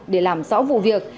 để làm rõ vụ việc